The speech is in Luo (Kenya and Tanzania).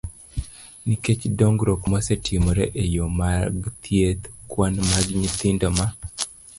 nikech dongruok mosetimore e yore mag thieth, kwan mag nyithindo ma